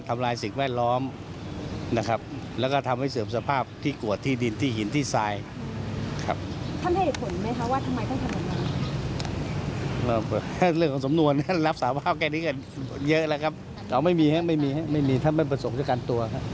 ไม่มีถ้าไม่ประสงค์จะกันตัว